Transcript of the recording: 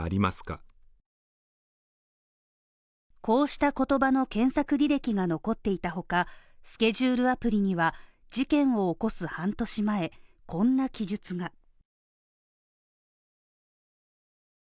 こうした言葉の検索履歴が残っていたほか、スケジュールアプリには、事件を起こす半年前、こんな記述が。